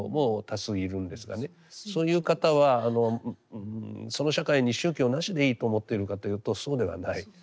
そういう方はその社会に宗教なしでいいと思っているかというとそうではない。